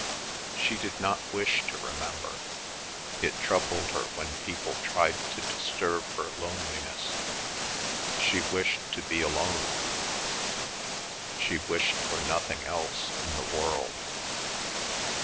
She did not wish to remember; it troubled her when people tried to disturb her loneliness; she wished to be alone. She wished for nothing else in the world.